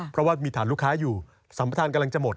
เพราะว่ามีฐานลูกค้าอยู่สัมประธานกำลังจะหมด